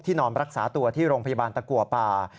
นอนรักษาตัวที่โรงพยาบาลตะกัวป่า